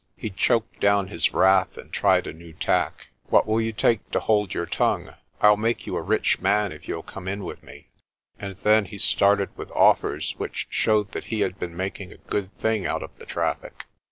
He choked down his wrath, and tried a new tack. "What will you take to hold your tongue? I'll make you a rich man if you'll come in with me." And then he started with offers which showed that he had been making a good thing out of the traffic.